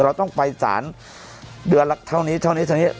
เราต้องไปสารเดือนละเท่านี้เท่านี้เท่านี้